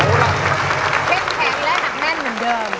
เข้มแข็งและหนักแน่นเหมือนเดิม